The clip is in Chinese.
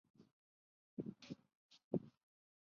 顺天府乡试第二名。